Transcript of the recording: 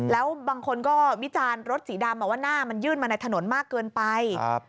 แล้วบางคนก็วิจารณ์รถสีดำว่าหน้ามันยื่นมาในถนนมากเกินไป